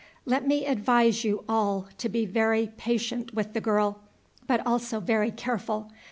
Let me advise you all to be very patient with the girl, but also very careful.